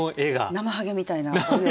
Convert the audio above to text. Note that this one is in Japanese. なまはげみたいな鬼の。